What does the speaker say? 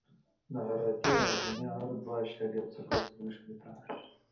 د عرادې اعظمي عرض دوه اعشاریه څلور څلویښت متره دی